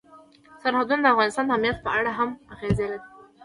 سرحدونه د افغانستان د امنیت په اړه هم اغېز لري.